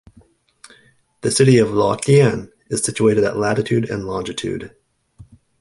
The city of Luodian is situated at latitude and longitude.